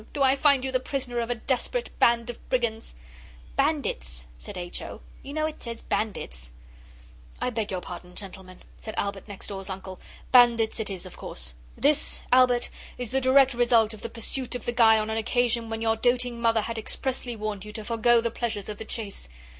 Do I find you the prisoner of a desperate band of brigands?' 'Bandits,' said H. O; 'you know it says bandits.' 'I beg your pardon, gentlemen,' said Albert next door's uncle, 'bandits it is, of course. This, Albert, is the direct result of the pursuit of the guy on an occasion when your doting mother had expressly warned you to forgo the pleasures of the chase.